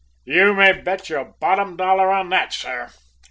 "You may bet your bottom dollar on that, sir!